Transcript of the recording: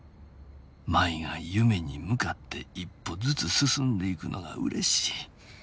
舞が夢に向かって一歩ずつ進んでいくのが嬉しい」。